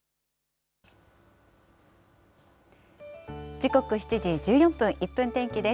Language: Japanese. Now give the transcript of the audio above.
時刻７時１４分、１分天気です。